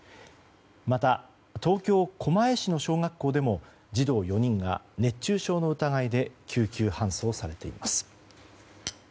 また、東京・狛江市の小学校でも児童４人が熱中症の疑いで救急搬送されています。